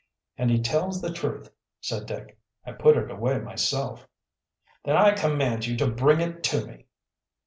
"And he tells the truth," said Dick. "I put it away myself." "Then I command you to bring it to me."